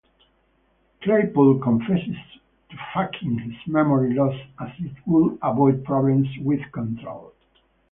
Claypool confesses to faking his memory loss as it would avoid problems with Control.